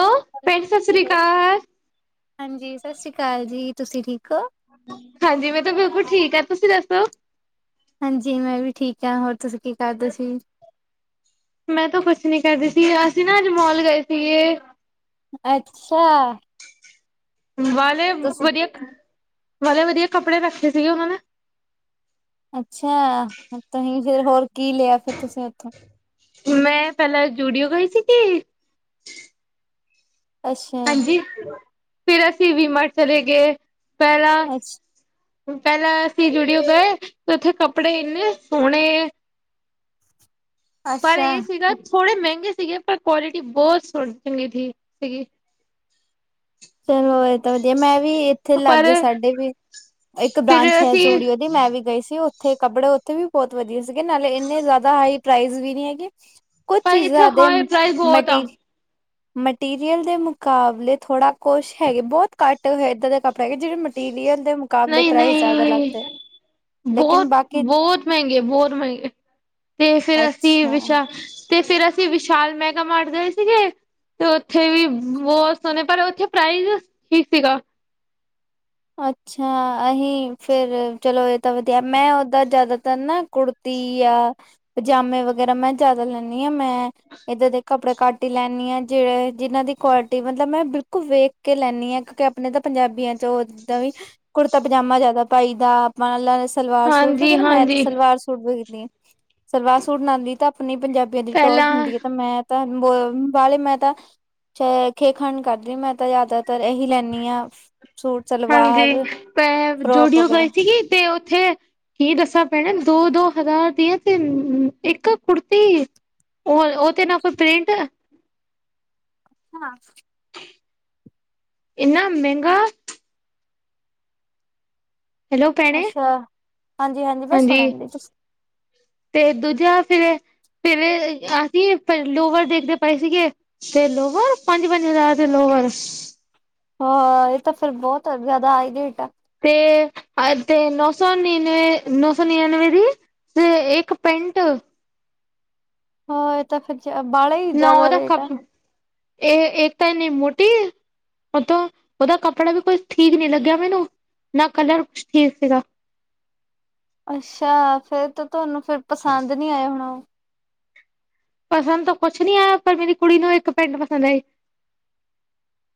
Hello ਭੈਣ ਜੀ ਸਤਿ ਸ੍ਰੀ ਹੈਲੋ, ਅਕਾਲ ਹਾਂਜੀ ਸਤਿ ਸ਼੍ਰੀ ਅਕਾਲ ਜੀ ਤੁਸੀਂ ਠੀਕ ਹੋ? ਹਾਂਜੀ ਮੈਂ ਤਾਂ ਬਿਲਕੁਲ ਠੀਕ ਆਂ ਤੁਸੀਂ ਦੱਸੋ। ਹਾਂਜੀ ਮੈਂ ਵੀ ਠੀਕ ਆਂ ਹੋਰ ਤੁਸੀਂ ਕੀ ਕਰਦੇ ਸੀ? ਮੈਂ ਤਾਂ ਕੁਛ ਨੀ ਕਰਦੀ ਸੀ ਅਸੀਂ ਨਾ ਅੱਜ ਮੋਲ ਗਏ ਸੀਗੇ। ਅੱਛਾ। ਵਾਲੇ ਤੁਸੀਂ ਵਧੀਆ ਵਾਲੇ ਵਧੀਆ ਕੱਪੜੇ ਰੱਖੇ ਸੀਗੇ ਉਹਨਾਂ ਨੇ। ਅੱਛਾ ਤੁਸੀਂ ਫੇਰ ਹੋਰ ਕੀ ਲਿਆ ਫਿਰ ਤੁਸੀਂ ਉੱਥੋਂ। ਮੈਂ ਪਹਿਲਲਾ ਜੂਡੀਓ ਗਈ ਸੀ ਕਿ। ਅੱਛਾ, ਹਾਂਜੀ, ਫਿਰ ਅਸੀਂ ਵੀ ਮਰ ਚਲੇ ਗੇ ਪਹਿਲਾਂ। ਅੱਛਾ, ਪਹਿਲਾਂ ਅਸੀਂ ਜੁੜੀਓ ਗਏ ਤੇ ਉੱਥੇ ਕੱਪੜੇ ਇੰਨੇ ਸੋਹਣੇ। ਪਰ ਅੱਛਾ। ਇਹ ਸੀਗਾ ਥੋੜੇ ਮਹਿੰਗੇ ਸੀਗੇ ਪਰ ਕੁਆਲਿਟੀ ਬਹੁਤ ਚੰਗੀ ਸੀ ਸੀਗੀ। ਚਲੋ ਇਹ ਤਾਂ ਵਧੀਆ ਮੈਂ ਵੀ ਇੱਥੇ ਪਰ ਲਾਗੇ ਸਾਡੇ ਵੀ ਇੱਕ ਫਿਰ ਬ੍ਰਾਂਚ ਹੈ ਅਸੀਂ ਸੂਡੀਓ। ਤੇ ਮੈਂ ਵੀ ਗਈ ਸੀ ਉਥੇ ਕੱਪੜੇ ਉੱਥੇ ਵੀ ਬਹੁਤ ਵਧੀਆ ਸੀਗੇ ਨਾਲੇ ਇੰਨੇ ਜ਼ਿਆਦਾ ਹਾਈ ਪ੍ਰਾਈਜ਼ ਵੀ ਨੀ ਹੈਗੀ। ਕੁਛ ਪਰ ਇੱਥੇ ਚੀਜ਼ਾਂ ਦੇ ਹਾਈ ਪ੍ਰਾਈਜ਼ ਬਹੁਤ ਮਟੀ ਆ ਮਟੀਰੀਅਲ ਦੇ ਮੁਕਾਬਲੇ ਥੋੜ੍ਹਾ ਕੁਛ ਹੈਗੇ ਬਹੁਤ ਘੱਟ ਇੱਦਾਂ ਦੇ ਕੱਪੜੇ ਹੈਗੇ ਜਿਹੜੇ ਮਟੀਰੀਅਲ ਦੇ ਮੁਕਾਬਲੇ ਨਹੀਂ ਪ੍ਰਾਈਜ਼ ਜ਼ਿਆਦਾ ਨਹੀਂ ਲੱਗਦੇ ਲੇਕਿਨ ਬਹੁਤ ਬਾਕੀ ਬਹੁਤ ਮਹਿੰਗੇ ਬਹੁਤ ਮਹਿੰਗੇ। ਤੇ ਫਿਰ ਅਸੀਂ ਅੱਛਾ ਵਿਸ਼ਾਲ ਤੇ ਫੇਰ ਅਸੀਂ ਵਿਸ਼ਾਲ ਮੈਗਾ ਮਾਰ ਗਏ ਸੀਗੇ। ਤੇ ਓਥੇ ਵੀ ਬਹੁਤ ਸੋਹਣੇ ਪਰ ਓਥੇ ਪ੍ਰਾਈਜ ਠੀਕ ਸੀਗਾ। ਅੱਛਾ ਅਸੀਂ ਫੇਰ ਚਲੋ ਇਹ ਤਾਂ ਵਧੀਆ ਮੈਂ ਓਦਾਂ ਜ਼ਿਆਦਾਤਰ ਨਾ ਕੁੜ ਤੀ ਆ ਪਜਾਮੇ ਵਗੈਰਾ ਮੈਂ ਜਿਆਦਾ ਲੈਂਦੀ ਆ ਮੈਂ ਇੱਧਰ ਦੇ ਕੱਪੜੇ ਘੱਟ ਟੀ ਲੈਦੀ ਆਂ ਜਿਹੜੇ ਜਿਨਾਂ ਦੀ ਕੁਆਲਿਟੀ ਮਤਲਬ ਮੈਂ ਬਿਲਕੁਲ ਵੇਖ ਕੇ ਲੈਦੀ ਆਂ ਕਿਉਂਕਿ ਆਪਣੇ ਤਾਂ ਪੰਜਾਬੀਆਂ ਚ ਉਹ ਦਾ ਵੀ ਕੁੜਤਾ ਪਜਾਮਾ ਜਿਆਦਾ ਪਾਈ ਦਾ ਆਪਾਂ ਨਾਲ ਸਲਵਾਰ ਸੂਟ ਵਖ ਹਾਂਜੀ ਨਾ ਮੈਂ ਤੇ ਹਾਂਜੀ ਸਲਵਾਰ ਸੂਟ ਵਖਦੀ ਸਲਵਾਰ ਸੂਟ ਨਉਂਦੀ ਤਾਂ ਆਪਣੀ ਪੰਜਾਬੀ ਬ ਦੀ ਟੋਰ ਪਹਿਲਾਂ ਹੁੰਦੀ ਐ ਤਾਂ ਮੈਂ ਤਾਂ ਬ ਵਾਲੇ ਮੈਂ ਤਾਂ। ਚਾਹੇ ਖੇਖਨ ਕਰਦੀ ਮੈਂ ਤਾਂ ਜ਼ਿਆਦਾਤਰ ਇਹੀ ਲੈਨੀ ਹਾ। ਹਾਂਜੀ ਪੈਂ ਫਰੋਕ ਜੋਡੀਓ ਵਗੈਰਾ ਗਈ ਸੀਗੀ ਤੇ ਉੱਥੇ ਕੀ ਦੱਸਾ ਪੈਨੇ ਦੋ-ਦੋ ਹਜ਼ਾਰ ਦੀਆ ਤਿੰਨ ਇੱਕ ਕੁੜਤੀ। ਉਹ-ਉਹ ਤੇ ਨਾ ਕੋਈ ਪ੍ਰਿੰਟ ਹਾਂ ਇੰਨਾ ਮਹਿੰਗਾ ਹੈਲੋ ਭੈਣੇ, ਅੱਛਾ ਹਾਂਜੀ ਮੈਂ ਹਾਂਜੀ। ਸੁਣਨ ਦੀ ਤੇ ਦੂਜਾ ਫੇਰ, ਫੇਰ ਅਸੀ ਫੇਰ ਲੋਵਰ ਦੇਖਦੇ ਪਏ ਸੀਗੇ। ਤੇ ਲੋਵਰ ਪੰਜ-ਪੰਜ ਹਜ਼ਾਰ ਦੇ ਲੋਵਰ। ਹਾਂ ਇਹ ਤਾਂ ਫੇਰ ਬਹੁਤ ਜਾਦਾ ਹਾਈ ਰੇਟ ਆ। ਤੇ ਅ ਤੇ ਨੌ ਸੌ ਨੜਿਨਵੇ ਨੌ ਸੌ ਨੜਿਨਵੇ ਦੀ ਇੱਕ ਪੈਂਟ। ਏ ਤਾ ਫਿਰ ਬਾਲਾ ਈ ਨਾ ਓਦਾ ਕਪ ਇਹ ਇੱਕ ਤਾਂ ਇਨੀ ਮੋਟੀ ਓ ਤੋਂ ਓਦਾ ਕੱਪੜਾ ਵੀ ਕੁਛ ਠੀਕ ਨੀ ਲੱਗਿਆ ਮੈਨੂੰ, ਨਾ ਕਲਰ ਕੁਛ ਠੀਕ ਸੀਗਾ। ਅੱਛਾ, ਫੇਰ ਤਾਂ ਤੁਹਾਨੂੰ ਫਿਰ ਪਸੰਦ ਨੀ ਆਯਾ ਹੋਣਾ ਓ। ਪਸੰਦ ਤਾਂ ਕੁਛ ਨੀ ਆਇਆ ਪਰ ਮੇਰੀ ਕੁੜੀ ਨੂੰ ਇੱਕ ਪੈਂਟ ਪਸੰਦ ਆਈ।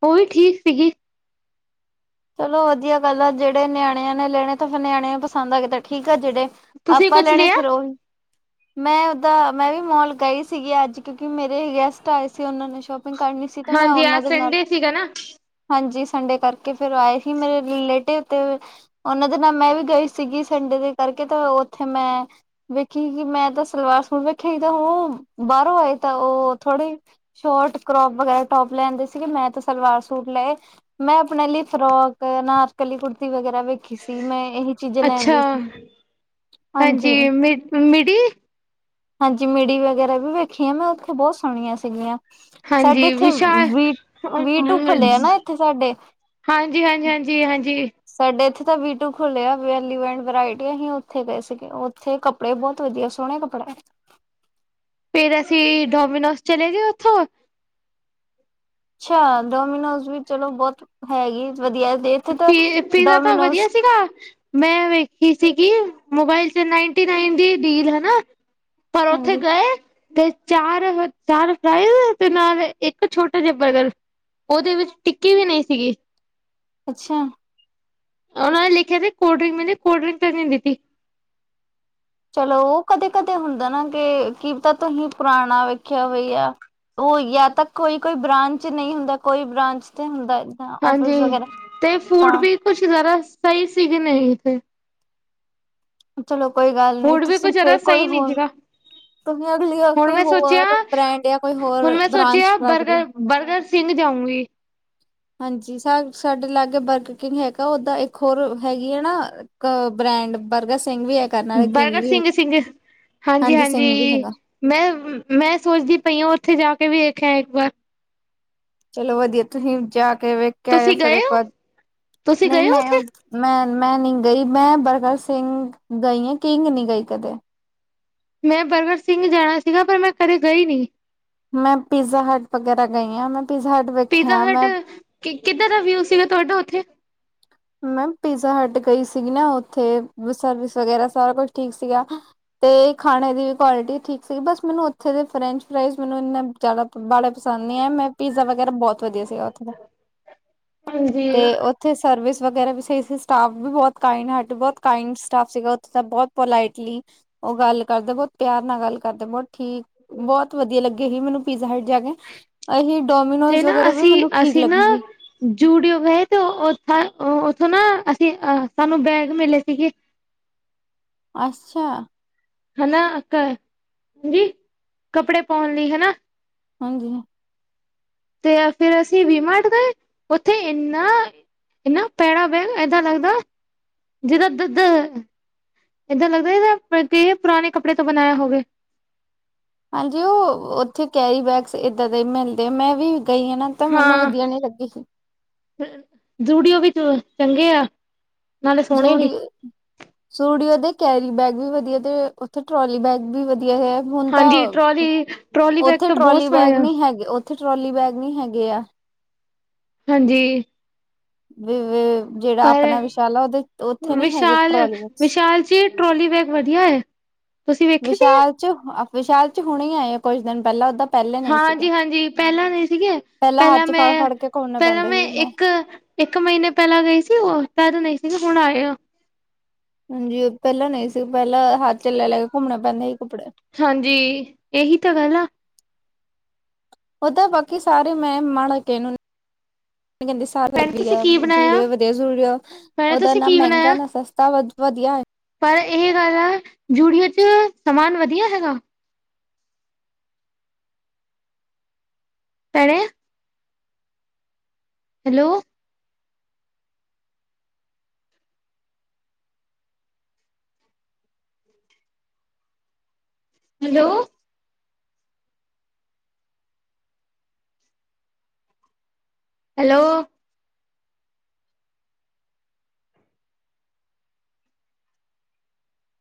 ਉਹ ਵੀ ਠੀਕ ਸੀਗੀ। ਚਲੋ ਵਧੀਆ ਗੱਲ ਆ ਜਿਹੜੇ ਨਿਆਣਿਆਂ ਨੇ ਲੈਣੇ ਤਾਂ ਫੇਰ ਨਿਆਣੇ ਨੂੰ ਪਸੰਦ ਆ ਗ ਠੀਕ ਆ ਜਿਹੜੇ ਤੁਸੀਂ ਆਪਾਂ ਕੁਛ ਲੈਣੇ ਲਿਆ ਫੇਰ ਓਹੀ ਮੈਂ ਉਦਾਂ ਮੈਂ ਵੀ ਮੋਲ ਗਈ ਸੀਗੀ ਅੱਜ ਕਿਉਂਕਿ ਮੇਰੇ ਗੈਸਟ ਆਏ ਸੀ ਉਹਨਾਂ ਨੇ ਸ਼ੋਪਿੰਗ ਕਰਨੀ ਸੀ। ਤੇ ਮੈਂ ਹਾਂਜੀ ਓਨਾਂ ਅੱਜ ਦੇ ਨਾਲ ਸੰਡੇ ਸੀਗਾ ਨਾ ਹਾਂਜੀ ਸੰਡੇ ਕਰਕੇ। ਫੇਰ ਆਏ ਸੀ ਮੇਰੇ ਰਿਲੇਟਿਵ ਤੇ ਓਨਾਂ ਦੇ ਨਾਲ ਮੈਂ ਵੀ ਗਈ ਸੀਗੀ ਸੰਡੇ ਦੇ ਕਰਕੇ ਤੇ ਉੱਥੇ ਮੈਂ ਵੇਖੀ ਕਿ ਮੈਂ ਤਾਂ ਸਲਵਾਰ ਸੂਟ ਵੇਖਿਆ ਸੀ ਤਾਂ ਹੁਣ ਉਹ ਬਾਹਰੋਂ ਆਏ ਤਾਂ ਓ ਥੋੜੇ ਸ਼ੋਟ, ਕਰੋਪ ਵਗੈਰਾ ਟੋਪ ਲੈਂਦੇ ਸੀਗੇ ਮੈਂ ਤਾਂ ਸਲਵਾਰ ਸੂਟ ਲਏ ਮੈਂ ਆਪਨੇ ਲਈ ਫਰੋਕ, ਅਨਾਰਕਲੀ ਕੁੜਤੀ ਵਗੈਰਾ ਵੇਖੀ ਸੀ ਮੈਂ ਏਹੇ ਅੱਛਾ, ਹਾਂਜੀ ਮਿਡ ਮਿਡੀ। ਹਾਂਜੀ, ਮਿਡੀ ਵਗੈਰਾ ਵੀ ਵੇਖੀਆਂ ਮੈਂ ਓਥੇ ਬੋਤ ਸੋਣੀਆਂ ਸੀਗੀਆਂ। ਸਾਡੇ ਹਾਂਜੀ ਇੱਥੇ ਵਿਸ਼ਾਲ ਵੀ ਵੀਟੂ ਖੁੱਲੇਆ ਨਾ ਇੱਥੇ ਸਾਡੇ। ਹਾਂਜੀ-ਹਾਂਜੀ, ਹਾਂਜੀ-ਹਾਂਜੀ। ਸਾਡੇ ਇੱਥੇ ਤਾਂ ਵੀ ਟੂ ਖੁੱਲੇਆ [unintelligible] ਵਰਾਏਟੀ ਅਹੀਂ ਓਥੇ ਗਏ ਸੀਗੇ ਓਥੇ ਕਪ ੜੇ ਬੋਤ ਵਦੀਆ ਸੋਨੇ ਕੱਪੜੇ। ਫੇਰ ਅਸੀ ਡੋਮੀਨੋਸ ਚਲੇਗੇ ਓਥੋਂ। ਅੱਛਾ, ਡੋਮੀਨੋਜ ਵੀ ਚਲੋ ਬੈਤ ਹੈਗੀ ਵਦੀਆ ਦੇ ਪੀ ਪੀਜ਼ਾ ਤਾਂ ਵਦੀਆ ਸੀਗਾ ਮੈਂ ਵੇਖੀ ਸੀਗੀ ਮੋਬਾਇਲ ਤੇ ਨਾਈਨਟੀ-ਨਾਈਨ ਦੀ ਡੀਲ, ਹਨਾ ਪਰ ਓੱਥੇ ਹਾਂਜੀ ਗਏ ਤੇ ਚਾਰ-ਚਾਰ ਫਰਾਈਜ਼ ਤੇ ਨਾਲ ਇੱਕ ਛੋਟਾ ਜਾ ਬਰਗਰ। ਓਦੇ ਵਿੱਚ ਟਿੱਕੀ ਵੀ ਨਈ ਸੀਗੀ। ਅੱਛਾ। ਉਹਨਾਂ ਨੇ ਲਿਖਯਾ ਤੇ ਕੋਲਡ ਮੈਨੇ ਕੋਲਡ ਡਰਿੰਕ ਤੇ ਨੀ ਦਿੱਤੀ। ਚਲੋ ਓ ਕਦੇ-ਕਦੇ ਹੁੰਦਾ ਨਾ ਕੇ ਕੀ ਪਤਾ ਤੁਹੀਂ ਪੁਰਾਨਾ ਵੇਖਯਾ ਹੋਵੇ ਯਾ ਓ ਯਾ ਤਾ ਕੋਈ-ਕੋਈ ਬ੍ਰਾਂਚ ਨਈ ਹੁੰਦਾ, ਕੋਈ ਬ੍ਰਾਂਚ ਤੇ ਹੁੰਦਾ ਏ। ਹਾਂਜੀ, ਤੇ ਫੂਡ ਵੀ ਕੁਛ ਜਾਦਾ ਸਈ ਸੀਗੇ ਨਾ [unintelligible] ਚਲੋ ਕੋਈ ਗੱਲ ਨੀ ਫੂਡ ਵੀ ਕੁਝ ਤੁਸੀਂ ਜਾਦਾ ਫੇਰ ਕੋਈ ਸਈ ਨੀ ਹੋਰ ਸੀਗਾ। ਤੁਸੀਂ ਅਗਲੀ ਵਾਰ ਹੁਣ ਕੋਈ ਮੈਂ ਸੋਚੇਯਾ, ਹੋਰ ਬ੍ਰੈਂਡ ਜਾਂ ਕੋਈ ਹੋਰ ਹੁਨ ਮੈਂ ਬ੍ਰਾਂਚ ਸੋਚਯਾ ਟਰਾਈ ਕਰਿਓ। ਬਰਗਰ ਬਰਗਰ ਕਿੰਗ ਜਾਊਗੀ ਹਾਂਜੀ, ਸਾ ਸਾਡੇ ਲਾੱਗੇ ਬਰਗ ਕਿੰਗ ਹੈਗਾ, ਓੱਦਾ ਏਕ ਹੋਰ ਹੈਗੀ ਏਨਾ ਇੱਕ ਬ੍ਰੈਂਡ ਬਰਗਰ ਕਿੰਗ ਵੀ ਏ। ਹੈਗਾ ਨਾਲੇ ਬਰਗਰ ਸਿੰਘ, ਸਿੰਘ, ਹਾਂਜੀ ਸਿੰਘ ਵੀ ਹਾਂਜੀ-ਹਾਂਜੀ। ਹੈਗਾ। ਮੈਂ-ਮੈਂ ਸੋਚਦੀ ਪਈ ਆਂ ਓਥੇ ਜਾ ਕੇ ਵੀ ਵੇਖ ਆਂ, ਏਕ ਵਾਰ। ਚਲੋ ਵਦੀਐ ਤੁਸੀ ਜਾ ਕੇ ਵੇਖ ਕੇ ਆਯੋ ਤੁਸੀਂ ਫੇਰ ਗਏ ਏਕ ਹੋ ਵਾਰ ਤੁਸੀਂ ਗਏ ਹੋ ਉੱਥੇ ਮੈਂ-ਮੈਂ ਨੀ ਗਈ, ਮੈਂ ਬਰਗਰ ਸਿੰਘ ਗਈ ਆਂ ਕਿੰਗ ਨੀ ਗਈ ਕਦੇ ਮੈਂ ਬਰਗਰ ਸਿੰਘ ਜਾਣਾ ਸੀਗਾ, ਪਰ ਮੈਂ ਕਦੇ ਗਈ ਨਈ ਮੈਂ ਪੀਜ਼ਾ ਹਟ ਵਗੈਰਾ ਗਈ ਆਂ ਮੈਂ ਪੀਜ਼ਾ ਹਟ ਪੀਜ਼ਾ ਵੇਖਿਆ ਹਟ ਮੈਂ ਕਿੱਦਾਂ ਦਾ ਵਿਊ ਸੀਗਾ ਤੁਹਾਡਾ ਉੱਥੇ ਮੈਮ ਪੀਜ਼ਾ ਹਟ ਗਈ ਸੀਗੀ ਨਾ ਉੱਥੇ ਸਰਵਿਸ ਵਗੈਰਾ ਸਾਰਾ ਕੁਛ ਠੀਕ ਸੀਗਾ ਤੇ ਖਾਣੇ ਦੀ ਵੀ ਕੁਆਲਿਟੀ ਠੀਕ ਸੀਗੀ ਬਸ ਮੈਨੂੰ ਉੱਥੇ ਦੇ ਫਰੈਂਚ ਫਰਾਈਜ਼ ਮੈਨੂੰ ਇੰਨਾ ਜ਼ਿਆ ਬੇ ਪਸੰਦ ਨਹੀਂ ਹੈ ਮੈਂ ਪੀਜ਼ਾ ਵਗੈਰਾ ਬਹੁਤ ਵਧੀਆ ਸੀਗਾ ਉੱਥੇ ਦਾ [unintelligible] ਤੇ ਉੱਥੇ ਸਰਵਿਸ। ਵਗੈਰਾ ਵੀ ਸ ਸੀ ਸਟਾਫ ਵੀ ਬੌਹੁਤ kind hard work kind staff ਸੀਗਾ ਉਥੇ ਦਾ ਬੋਹੁਤ ਪੋਲਾਈਟਲੀ ਉਹ ਗੱਲ ਕਰਦਾ ਬਹੁਤ ਪਿਆਰ ਨਾਲ ਗੱਲ ਕਰਦਾ ਬੋਹੁਤ ਠੀਕ ਬਹੁਤ ਵਧੀਆ ਲੱਗੇ ਹੀ ਮੈਨੂੰ ਪੀਜ਼ਾ ਹਟ ਜਾ ਕੇ। ਅਹੀ ਤੇ ਡੋਮੀਨੋਜ ਨਾ ਵਗੈਰਾ ਵੀ ਅਸੀਂ ਮੈਨੂੰ ਠੀਕ ਅਸੀਂ ਨਾ ਲੱਗੇਗੀ। ਜੂਡੀਓ ਗਏ ਤੇ ਉਥ ਉੱਥੋਂ ਨਾ ਅਸੀਂ ਅ ਸਾਨੂੰ ਬੈਗ ਮਿਲੇ ਸੀਗੇ। ਅੱਛਾ। ਹਨਾ ਕ ਹਾੰਜੀ ਕੱਪੜੇ ਪਾਉਣ ਲਈ ਹਨਾ। ਹਾਂਜੀ। ਤੇ ਫਿਰ ਅਸੀਂ ਡੀ ਮਾਟ ਗਏ ਉੱਥੇ ਏਨਾ ਇਹਨਾ [unintelligible] ਏਦਾਂ ਲੱਗਦਾ ਜਿਦਾ ਦ ਦ ਏਦਾਂ ਲੱਗਦਾ ਏ ਤੇ ਪੁਰਾਣੇ ਕੱਪੜੇ ਤੋਂ ਬਨਾਏਆ ਹੋਵੇ। ਹਾਂਜੀ ਉਹ ਉੱਥੇ ਕੈਰੀ ਬੈਗਸ ਏਦਾਂ ਦੇ ਮਿਲਦੇ ਮੈਂ ਵੀ ਗਈ ਆ ਨਾ। ਤਾਂ ਮੈਨੂੰ ਵਧੀਆ ਨੀ ਲੱਗੀ। ਫਿਰ ਜੂਡਿਓ ਵਿਚ ਚੰਗੇ ਆ। ਨਾਲੇ ਸੋਹਣੇ ਵੀ ਜੂਡੀਓ ਜੂਡੀਓ ਦੇ ਕੈਰੀ ਬੈਗ ਵੀ ਵਧੀ ਆ ਤੇ ਉੱਥੇ ਟਰੋਲੀ ਬੈਗ ਵੀ ਵਧੀਆ ਐ। ਹੁਨ ਤਾਂ ਹਾਂਜੀ ਟਰੋਲੀ ਟਰੋਲੀ ਬੈਗ ਉੱਥੇ ਤਾਂ ਬਹੁਤ ਟਰੋਲੀ ਸੋਹਣੇ ਬੈਗ ਆ ਨੀ ਹੈਗੇ ਉੱਥੇ ਟਰੋਲੀ ਬੈਗ ਨੀ ਹੈਗੇ ਆ। ਹਾਂਜੀ। ਵਿ ਵਿ ਜਿਹੜਾ ਪਰ ਆਪਨਾ ਵਿਸ਼ਾਲਾ ਉਹਦੇ ਉੱਥੇ ਨੀ ਹੈਗੇ ਵਿਸ਼ਾਲ ਟਰੋਲੀਸ ਬੈਗਸ। ਵਿਸ਼ਾਲ ਜੀ ਟਰੋਲੀ ਵੈਗ ਵਧੀਆ ਏ। ਵਿਸ਼ਾਲ ਚ ਵਿਸ਼ਾਲ ਚ ਹੁਣੇ ਹੀ ਆਏ ਕੁੱਝ ਦਿਨ ਪਹਿਲਾਂ ਓਦਾ ਹਾਂਜੀ ਹਾਂਜੀ ਪਹਿਲਾਂ ਨੀ ਸੀਗੇ ਪਹਿਲਾਂ ਹੱਥ ਚ ਮੈਂ ਫੜ-ਫੜ ਕੇ ਘੁੰਮਣਾ ਪਹਿਲਾਂ ਪੈਂਦਾ ਮੈਂ ਸੀ ਇੱਕ ਇਕ ਮਹੀਨੇ ਪਹਿਲਾਂ ਗਏ ਸੀ ਉਹ ਤ ਤਾਂ ਨੀ ਸੀਗੇ ਹੁਣ ਆਏ ੳ। ਹਾਂਜੀ ਪਹਿਲਾਂ ਨਹੀਂ ਸੀ ਪਹਿਲਾਂ ਹੱਥ ਚ ਲੈ ਲੈ ਕੇ ਘੁੰਮਨਾ ਪੈਂਦਾ ਸੀ ਕੱਪੜੇ। ਹਾਂਜੀ ਏਹੀ ਤਾਂ ਗੱਲ ਆ। ਉਹ ਤਾ ਬਾਕੀ ਸਾਰੇ ਮੈਂ ਮਾੜਾ ਕੇਨੂੰ ਕਹਿੰਦੀ ਸੀ। ਪਰ ਭੈਣੇ ਤੁਸੀਂ ਵਦਿਆ ਕੀ ਬਣਾਇਆ ਜੂਡਿਓ ਵਧੀਆ ਜੂਡਿਓ ਭੈਣੇ ਉਹਦਾ ਤੁਸੀਂ ਨਾ ਕੀ ਮਹਿੰਗਾ ਬਣਾਇਆ ਨਾ ਸਸਤਾ ਵਾ ਵਧੀਆ ਏ। ਪਰ ਇਹ ਗੱਲ ਆ ਜੂਡਿੳ ਚ ਸਮਾਨ ਵਧੀਆ ਹੈਗਾ। ਭੈਣੇ। ਹੈਲੋ। ਹੈਲੋ। ਹੈਲੋ।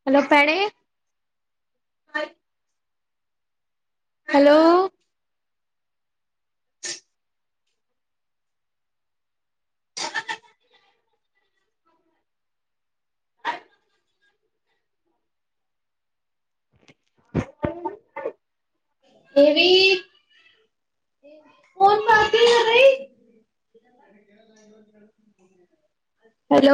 ਹੈਲੋ ਭੈਣੇ। [unintelligible] ਹੈਲੋ। ਏ ਵੀ। [inaudible] [unintelligible] ਹੈਲੋ।